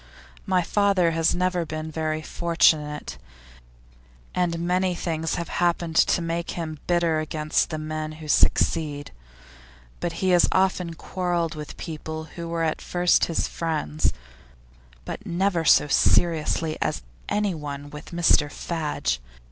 My father has never been very fortunate, and many things have happened to make him bitter against the men who succeed; he has often quarrelled with people who were at first his friends, but never so seriously with anyone as with Mr Fadge.